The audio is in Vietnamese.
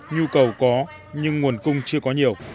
nhu cầu có nhưng nguồn cung chưa có nhiều